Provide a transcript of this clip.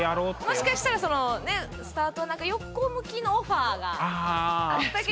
もしかしたらそのねスタートなんか横向きのオファーがあったけど。